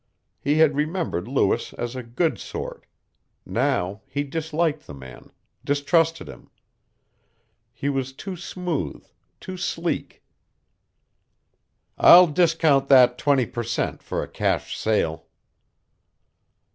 He had remembered Lewis as a good sort. Now he disliked the man, distrusted him. He was too smooth, too sleek. "I'll discount that twenty percent, for a cash sale."